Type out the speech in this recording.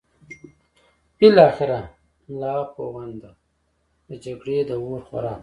بالاخره ملا پوونده د جګړې د اور خوراک کړ.